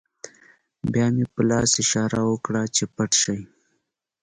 بیا مې په لاس اشاره وکړه چې پټ شئ